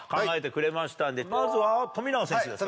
まずは富永選手ですか？